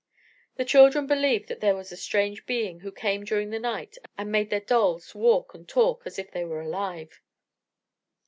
The children believed that there was a strange being who came during the night and made their dolls walk and talk as if they were alive.